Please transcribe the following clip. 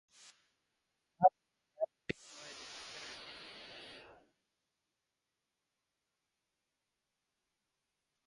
It must be wrapped before it is carried into the hut.